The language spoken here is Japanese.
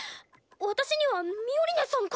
私にはミオリネさんが。